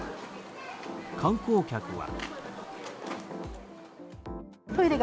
観光客は。